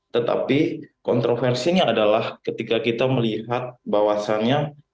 tetapi kontroversinya adalah ketika kita melihat bahwasannya